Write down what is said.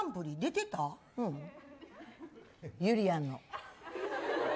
ゆりやんの。